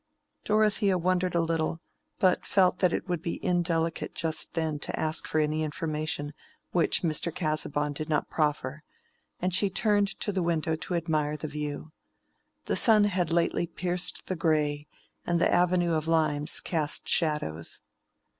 Dorothea wondered a little, but felt that it would be indelicate just then to ask for any information which Mr. Casaubon did not proffer, and she turned to the window to admire the view. The sun had lately pierced the gray, and the avenue of limes cast shadows.